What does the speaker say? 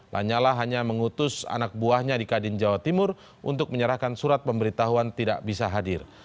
lanyala hanya mengutus anak buahnya di kadin jawa timur untuk menyerahkan surat pemberitahuan tidak bisa hadir